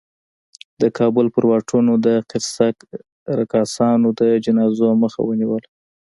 د کابل پر واټونو د قرصک رقاصانو د جنازو مخه ونیوله.